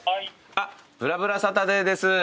あっ『ぶらぶらサタデー』です。